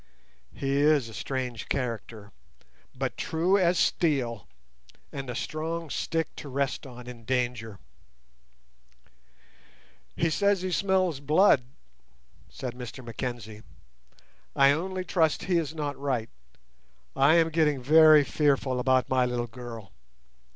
He is a strange character, but true as steel, and a strong stick to rest on in danger." "He says he smells blood," said Mr Mackenzie. "I only trust he is not right. I am getting very fearful about my little girl.